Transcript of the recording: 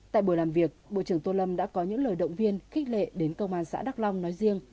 tại buổi làm việc bộ trưởng tô lâm đã có những lời động viên khích lệ đến công an xã đắk long nói riêng